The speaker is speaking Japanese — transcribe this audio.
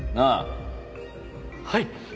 はい。